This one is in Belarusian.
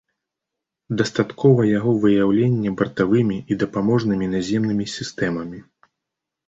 Дастаткова яго выяўлення бартавымі і дапаможнымі наземнымі сістэмамі.